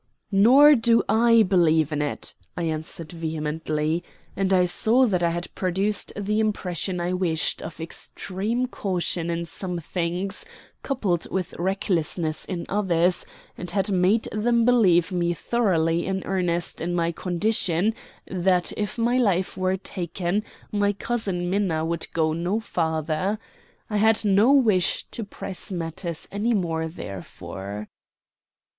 "Nor do I believe in it," I answered vehemently, and I saw that I had produced the impression I wished of extreme caution in some things, coupled with recklessness in others, and had made them believe me thoroughly in earnest in my condition that, if my life were taken, my cousin Minna would go no farther. I had no wish to press matters any more, therefore.